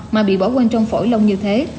mà bị bỏ quên trong phổi lông như thế